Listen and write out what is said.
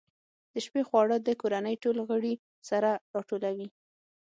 د شپې خواړه د کورنۍ ټول غړي سره راټولوي.